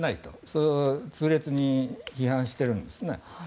そう、痛烈に批判しているんですね。